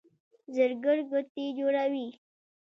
زرګر ګوتې جوړوي.